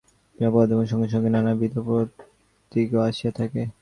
ঐ অবস্থাতেই নানবিধ অনুষ্ঠান, ক্রিয়াপদ্ধতি এবং সঙ্গে সঙ্গে নানাবিধ প্রতীকও আসিয়া থাকে।